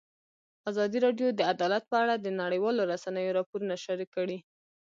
ازادي راډیو د عدالت په اړه د نړیوالو رسنیو راپورونه شریک کړي.